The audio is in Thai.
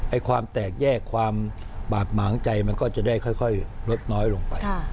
ความแตกแยกความบาดหมางใจมันก็จะได้ค่อยลดน้อยลงไป